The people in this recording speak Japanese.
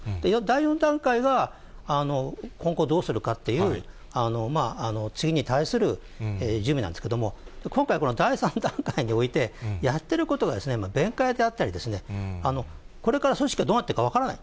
第４段階は、今後どうするかっていう、次に対する準備なんですけれども、今回、この３段階において、やってることが弁解であったり、これから組織がどうなっていくか分からない。